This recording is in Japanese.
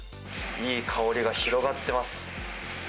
いい香りが広がってます。